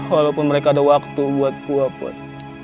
walaupun mereka ada waktu buat gue buat